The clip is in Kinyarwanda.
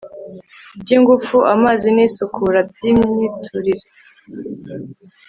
by'ingufu, amazi n' isukura, iby'imiturire